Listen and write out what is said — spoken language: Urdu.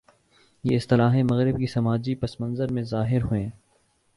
یہ اصطلاحیں مغرب کے سماجی پس منظر میں ظاہر ہوئیں۔